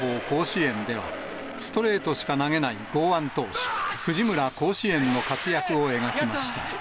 甲子園では、ストレートしか投げない剛腕投手、藤村甲子園の活躍を描きました。